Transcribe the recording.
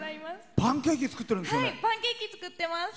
パンケーキ作ってます。